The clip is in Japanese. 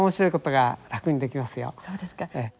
そうですか。